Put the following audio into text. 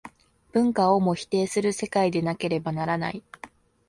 文化をも否定する世界でなければならない。